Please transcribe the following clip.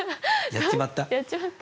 やっちまった。